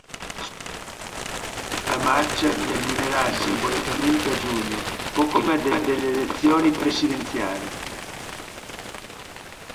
La marcia terminerà simbolicamente a giugno, poco prima delle elezioni presidenziali.